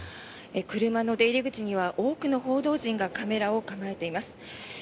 車の出入り口には多くの報道陣がカメラを構えています。